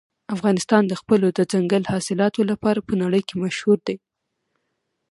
افغانستان د خپلو دځنګل حاصلاتو لپاره په نړۍ کې مشهور دی.